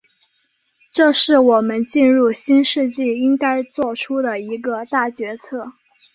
这是我们进入新世纪应该作出的一个大决策。